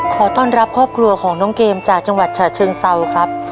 ขอต้อนรับครอบครัวของน้องเกมจากจังหวัดฉะเชิงเซาครับ